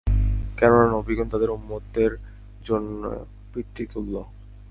কেননা, নবীগণ তাদের উম্মতের জন্যে পিতৃতুল্য।